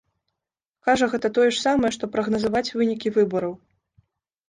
Кажа, гэта тое ж самае, што прагназаваць вынікі выбараў.